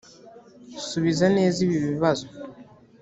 subiza neza ibi bibazo